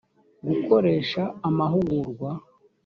gukoreha amahugurwa